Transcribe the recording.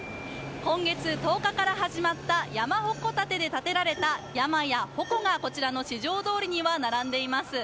今月１０日から始まった山鉾建てで立てられた山やほこがこちらの四条通りには並んでいます。